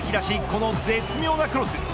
この絶妙なクロス。